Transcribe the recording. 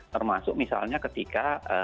termasuk misalnya ketika